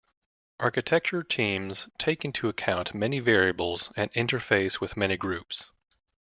Architecture teams take into account many variables and interface with many groups.